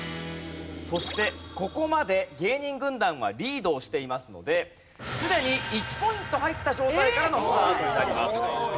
そしてここまで芸人軍団はリードをしていますのですでに１ポイント入った状態からのスタートになります。